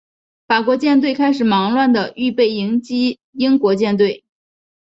法国舰队开始忙乱地预备迎击英国舰队。